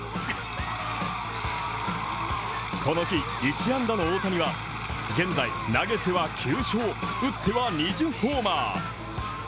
この日１安打の大谷は現在、投げては９勝、打っては２０ホーマー。